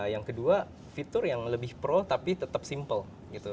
yang kedua fitur yang lebih pro tapi tetap simple gitu